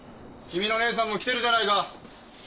君の姉さんも来てるじゃないか。